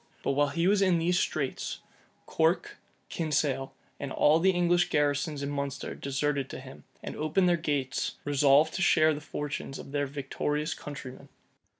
But while he was in these straits, Corke, Kinsale, and all the English garrisons in Munster deserted to him, and opening their gates, resolved to share the fortunes of their victorious countrymen.